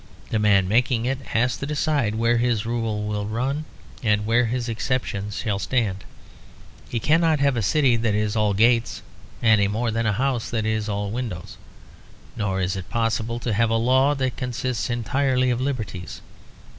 The man making it has to decide where his rule will run and where his exception shall stand. He cannot have a city that is all gates any more than a house that is all windows; nor is it possible to have a law that consists entirely of liberties.